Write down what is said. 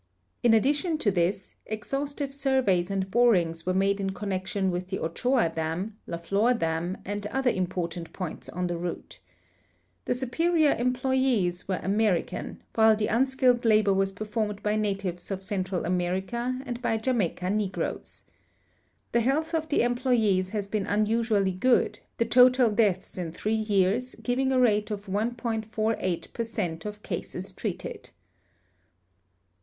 In addition to this, exhaustive surveys and borings Avere made in connection Avith the Ochoa dam, I^a Flor dam, and other important i)oints on the route. The superior employes Avere American, Avhile the unskilled labor Avas performed by natives of Central America and by Jamaica negroes. The health of the emploves has been unusually good, the total deaths in three years giving a rate of 1.48 per cent of cases treated.